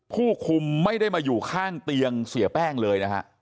ผู้คุมไม่ได้มาอยู่ข้างเตียงเสียแป้งเลยนะฮะ